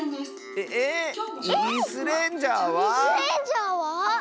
えっ⁉「イスレンジャー」は？